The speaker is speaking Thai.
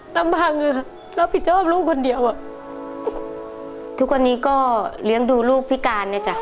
ลำพังแล้วผิดเจ้าหัวลูกคนเดียวทุกวันนี้ก็เลี้ยงดูลูกพิการเนี่ยจ้ะ